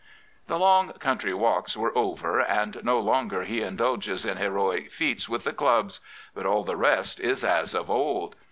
The long country walks are over, and no longer he indulges in heroic feats with the clubs; but all the rest is as of old.